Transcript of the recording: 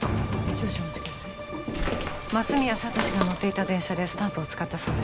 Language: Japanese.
少々お待ちください松宮聡が乗っていた電車でスタンプを使ったそうです